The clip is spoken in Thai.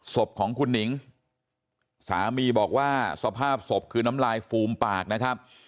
ศพของคุณหนิงสามีบอกว่าสภาพศพคือน้ำลายฟูมปากนะครับ